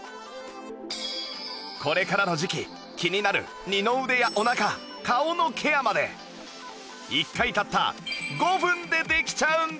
これからの時期気になる二の腕やお腹顔のケアまで１回たった５分でできちゃうんです！